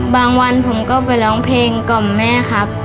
วันผมก็ไปร้องเพลงกล่อมแม่ครับ